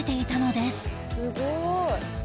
「すごい！」